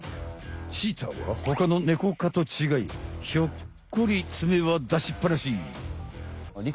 チーターはほかのネコかとちがいひょっこり爪は出しっぱなし。